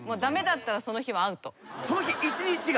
その日一日が？